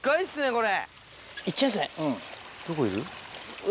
これ。